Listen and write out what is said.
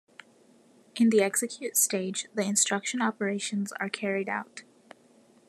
In the execute stage, the instruction operations are carried out.